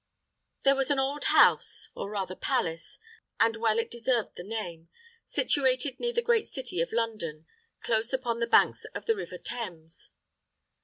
There was an old house, or rather palace, and well it deserved the name, situated near the great city of London, close upon the banks of the River Thames.